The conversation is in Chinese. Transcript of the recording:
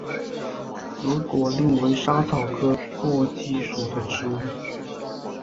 紫果蔺为莎草科荸荠属的植物。